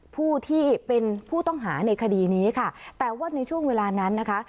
ผู้ที่เป็นผู้ต้องหาในคดีนี้ค่ะแต่ว่าในช่วงเวลานั้นนะคะ